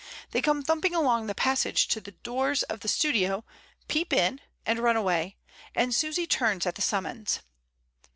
They come thumping along the passage to the doors of the studio, peep in, and run away, and Susy turns at the summons.